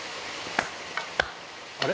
あれ？